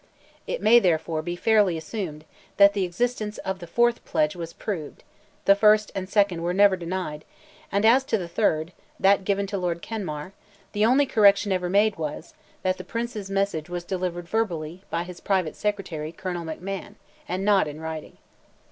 It may, therefore, be fairly assumed, that the existence of the fourth pledge was proved, the first and second were never denied, and as to the third—that given to Lord Kenmare—the only correction ever made was, that the Prince's message was delivered verbally, by his Private Secretary, Colonel McMahon, and not in writing.